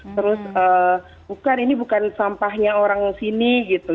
terus bukan ini bukan sampahnya orang sini gitu